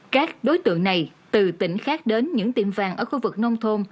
các đối tượng này từ tỉnh khác đến những tiệm vàng ở khu vực nông thôn